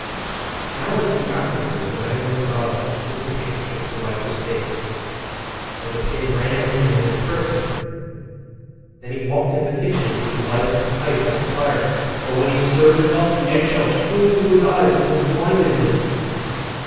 An hour or two afterwards the landlord got up, and took his handkerchief to wipe his face, but the pin ran into him and pricked him: then he walked into the kitchen to light his pipe at the fire, but when he stirred it up the eggshells flew into his eyes, and almost blinded him.